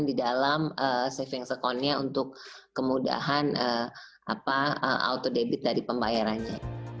di dalam saving second nya untuk kemudahan auto debit dari pembayarannya